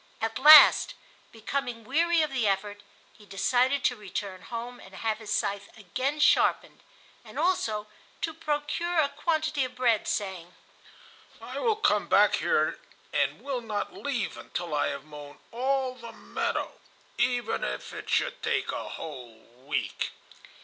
At last, becoming weary of the effort, he decided to return home and have his scythe again sharpened, and also to procure a quantity of bread, saying: "I will come back here and will not leave until I have mown all the meadow, even if it should take a whole week."